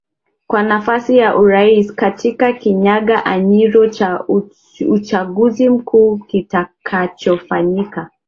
kwa nafasi ya urais katika kinyang anyiro cha uchaguzi mkuu kitakachofanyika